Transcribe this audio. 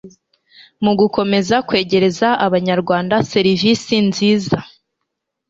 mu gukomeza kwegereza abanyarwanda serivisi nziza